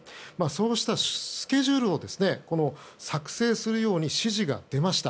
そうしたスケジュールを作成するように指示が出ました。